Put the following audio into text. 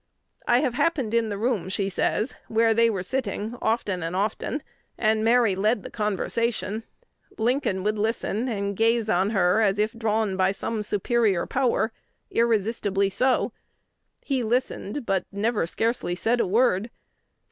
"I have happened in the room," she says, "where they were sitting often and often, and Mary led the conversation. Lincoln would listen, and gaze on her as if drawn by some superior power, irresistibly so: he listened, but never scarcely said a word....